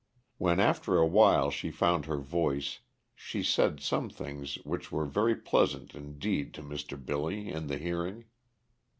When after awhile she found her voice she said some things which were very pleasant indeed to Mr. Billy in the hearing.